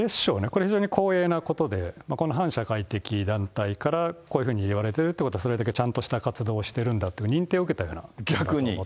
これ、非常に光栄なことで、この反社会的団体からこういうふうに言われてるっていうことは、それだけちゃんとした活動をしてるんだと認定を受けたようなこと逆に？